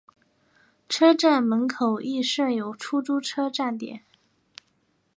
车站门口亦设有出租车站点。